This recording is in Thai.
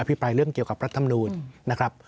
อภิปรายเรื่องเกี่ยวกับรัฐธรรมนูญนะครับ